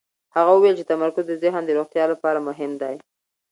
هغه وویل چې تمرکز د ذهن د روغتیا لپاره مهم دی.